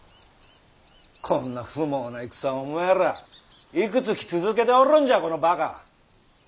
こんな不毛な戦をお前ら幾月続けておるんじゃこのバカ。